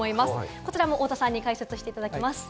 こちらも太田さんに解説していただきます。